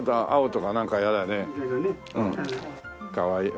かわいい。